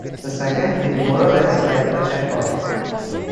The second is more or less like a check valve.